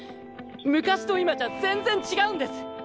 昔と今じゃ全然違うんです。